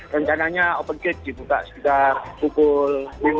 rencananya open gate dibuka sekitar pukul lima belas